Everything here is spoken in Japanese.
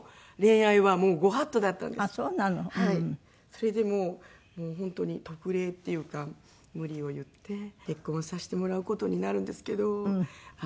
それでももう本当に特例っていうか無理を言って結婚させてもらう事になるんですけど。